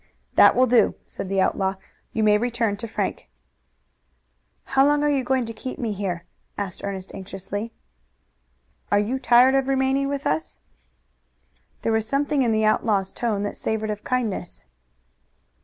"That will do," said the outlaw. "You may return to Frank." "How long are you going to keep me here?" asked Ernest anxiously. "Are you tired of remaining with us?" There was something in the outlaw's tone that savored of kindness.